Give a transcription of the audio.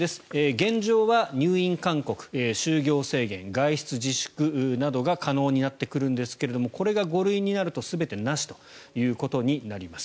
現状は入院勧告就業制限、外出自粛などが可能になってくるんですがこれが５類になると全てなしということになります。